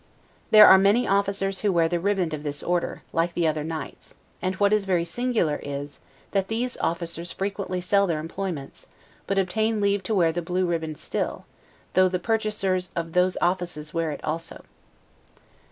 There, are many officers who wear the riband of this Order, like the other knights; and what is very singular is, that these officers frequently sell their employments, but obtain leave to wear the blue riband still, though the purchasers of those offices wear it also.